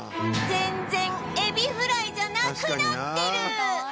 全然エビフライじゃなくなってる！